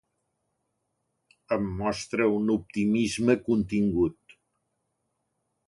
Em mostra un optimisme contingut.